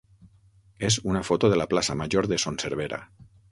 és una foto de la plaça major de Son Servera.